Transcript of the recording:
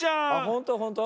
ほんとほんと？